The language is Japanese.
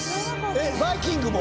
えっバイキングも？